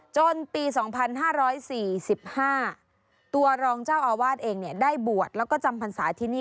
จนปี๒๕๔๕ตัวรองเจ้าอาวาสเองได้บวชแล้วก็จำพรรษาที่นี่